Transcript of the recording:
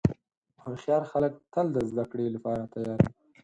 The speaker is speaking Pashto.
هوښیار خلک تل د زدهکړې لپاره تیار وي.